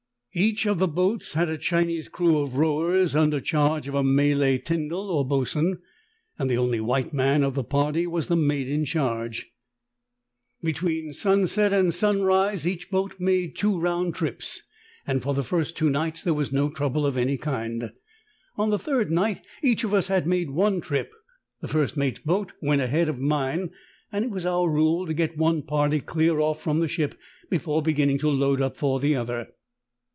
Each of the boats had a Chinese crew of rowers under charge of a Malay tyndal or boatswain, and the only white man of the party was the mate in charge. Between sun. BESET BY CHINESE PIRATES. 83 set and sunrise each boat made two round trips, and for the first two nights there was no trouble of any kind. On the third night each of us had made one trip ; the first mate's boat went ahead of mine, and it was our rule to get one party clear off from the ship before beginning to load up for the other.